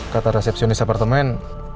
kata resepsionis apartemen